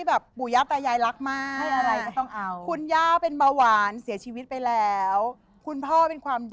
เบาหวานความดันแข็งมันในเส้นเลือดนี่เป็นครบ